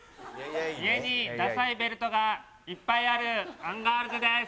家にダサいベルトがいっぱいあるアンガールズです。